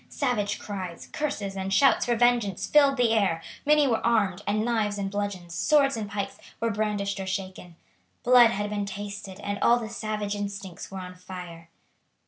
Savage cries, curses, and shouts for vengeance filled the air; many were armed, and knives and bludgeons, swords and pikes, were brandished or shaken. Blood had been tasted, and all the savage instincts were on fire.